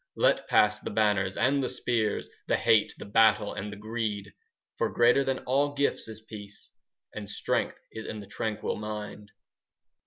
"Let pass the banners and the spears, The hate, the battle, and the greed; For greater than all gifts is peace, 15 And strength is in the tranquil mind."